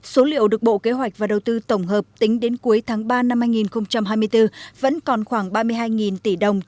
số liệu được bộ kế hoạch và đầu tư tổng hợp tính đến cuối tháng ba năm hai nghìn hai mươi bốn vẫn còn khoảng ba mươi hai tỷ đồng